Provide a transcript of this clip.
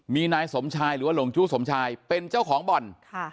มีนายสมชายหรือว่าหลงจู้สมชายเป็นเจ้าของบ่อน